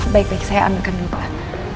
baik baik saya ambilkan dulu pak